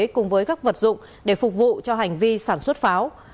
cùng với các vật dụng để phục vụ cho hành vi sản xuất pháo